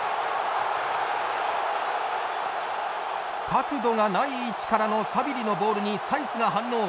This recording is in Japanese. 角度がない位置からのサビリのボールにサイスが反応。